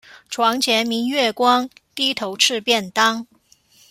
床前明月光，低頭吃便當